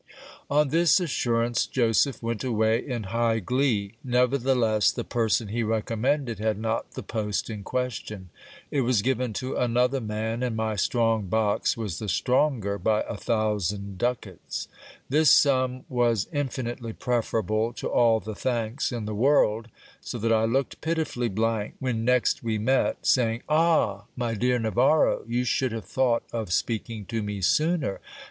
On this assurance Joseph went away in high glee ; nevertheless, the person he recommended had not the post in question. It was given to another man, and my strong box was the stronger by a thousand ducats. This sum was in finitely preferable to all the thanks in the world, so that I looked pitifully blank when next we met, saying — Ah, my dear Navarro ! you should have thought of speaking to me sooner.